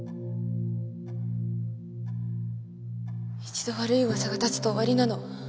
一度悪い噂が立つと終わりなの。